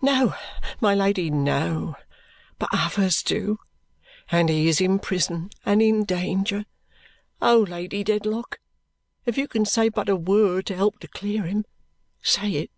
"No, my Lady, no. But others do, and he is in prison and in danger. Oh, Lady Dedlock, if you can say but a word to help to clear him, say it!"